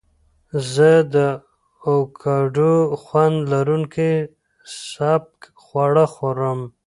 زه د اوکاډو خوند لرونکي سپک خواړه خوړم.